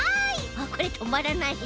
あっこれとまらない。